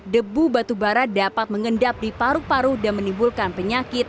debu batubara dapat mengendap di paru paru dan menimbulkan penyakit